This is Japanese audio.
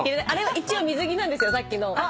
一応水着なんですよさっきの。